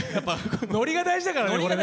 ノリが大事だからねこれね。